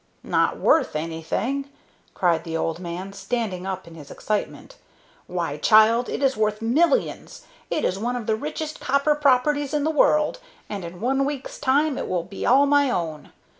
"Not worth anything!" cried the old man, standing up in his excitement. "Why, child, it is worth millions! It is one of the richest copper properties in the world, and in one week's time it will be all my own.